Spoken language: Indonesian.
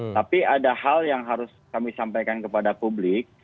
tapi ada hal yang harus kami sampaikan kepada publik